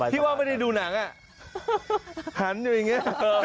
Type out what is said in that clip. ที่ว่าไม่ได้ดูหนังหันอยู่อย่างนี้